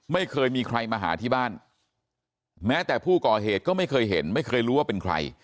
ไม่เคยมีใครมาหาที่บ้านแม้แต่ผู้ก่อเหตุก็ไม่เคยเห็นไม่เคยรู้ว่าเป็นใคร